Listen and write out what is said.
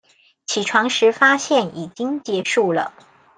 起床時發現已經結束了